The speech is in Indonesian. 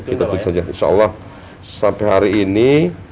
insya allah sampai hari ini